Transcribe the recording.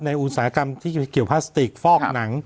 อุตสาหกรรมที่จะเกี่ยวพลาสติกฟอกหนัง